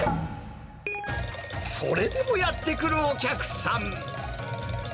それでもやって来るお客さん。